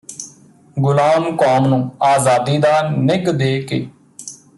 ਗੁਲਾਮ ਕੌਮ ਨੂੰ ਅਜ਼ਾਦੀ ਦਾ ਨਿੱਘ ਦੇ ਕੇ